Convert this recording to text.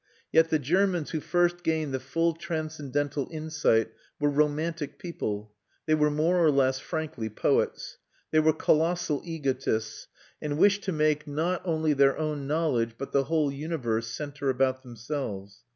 Yet the Germans who first gained the full transcendental insight were romantic people; they were more or less frankly poets; they were colossal egotists, and wished to make not only their own knowledge but the whole universe centre about themselves.